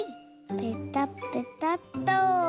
ペタッペタッと。